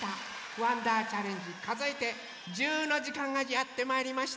「わんだーチャレンジかぞえて１０」のじかんがやってまいりました。